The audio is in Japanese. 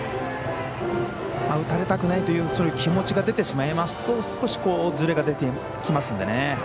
打たれたくないという気持ちが出てしまいますと少し、ずれが出てきますのでね。